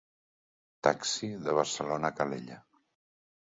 Taxi de Barcelona a Calella.